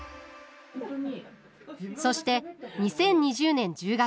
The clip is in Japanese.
そして２０２０年１０月。